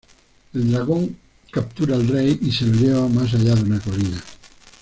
El dragón captura al Rey y se lo lleva más allá de una colina.